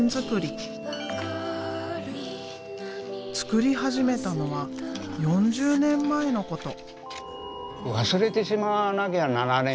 作り始めたのは４０年前のこと。